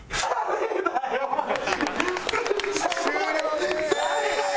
終了です！